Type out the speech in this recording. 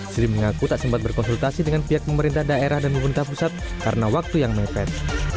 sri mengaku tak sempat berkonsultasi dengan pihak pemerintah daerah dan pemerintah pusat karena waktu yang mepet